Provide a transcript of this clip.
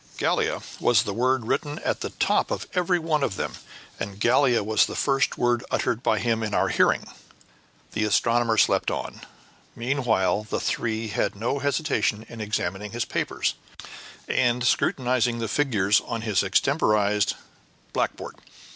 "Gallia was the word written at the top of every one of them, and Gallia was the first word uttered by him in our hearing." The astronomer slept on. Meanwhile, the three together had no hesitation in examining his papers, and scrutinizing the figures on his extemporized blackboard.